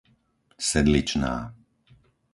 Sedličná